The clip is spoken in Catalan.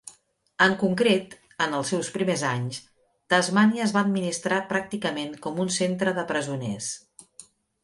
En concret, en els seus primers anys, Tasmània es va administrar pràcticament com un centre de presoners.